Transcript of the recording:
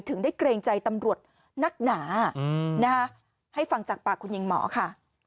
ถึงได้เกรงใจตำรวจนักหนาให้ฟังจากปากคุณหญิงหมอค่ะ